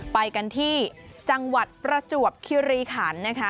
ไปกันที่จังหวัดประจวบคิริขันนะคะ